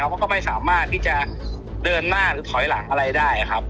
เขาก็ไม่สามารถที่จะเดินหน้าหรือถอยหลังอะไรได้ครับ